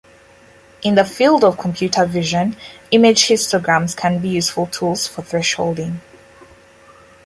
In the field of computer vision, image histograms can be useful tools for thresholding.